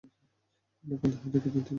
আপনার কাঁধে হাত রেখেছেন তিনি।